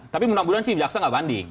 tapi mudah mudahan sih jaksa nggak banding